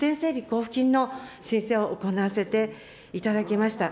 交付金の申請を行わせていただきました。